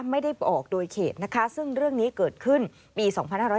ไม่ได้ออกโดยเขตนะคะซึ่งเรื่องนี้เกิดขึ้นปี๒๕๕๙